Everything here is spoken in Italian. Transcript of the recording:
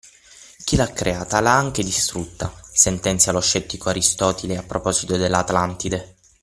Chi l’ha creata, l’ha anche distrutta sentenzia lo scettico Aristotile a proposito dell’Atlantide.